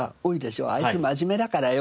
「あいつ真面目だからよ」